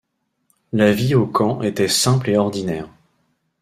La vie au camp était simple et ordinaire.